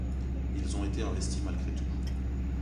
Ils ont été investis malgré tout.